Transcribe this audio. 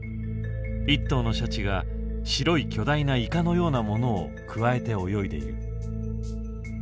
１頭のシャチが白い巨大なイカのようなものをくわえて泳いでいる。